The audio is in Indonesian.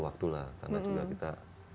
waktu lah karena juga kita